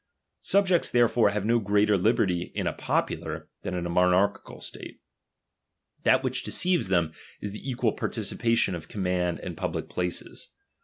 I Subjects therefore have no greater liberty in a I popular, than in a monarchical state. That which I deceives them, is the equal participation of com I xnaud and public places.